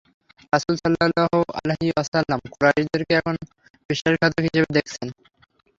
রাসূল সাল্লাল্লাহু আলাইহি ওয়াসাল্লাম কুরাইশদেরকে এখন বিশ্বাসঘাতক হিসেবে দেখছেন।